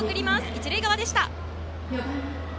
一塁側でした。